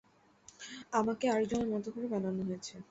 আমাকে আরেকজনের মতো করে বানানো হয়েছে।